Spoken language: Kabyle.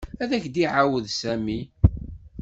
Ad ak-d-iɛawed Sami.